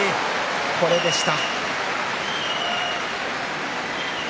これでした。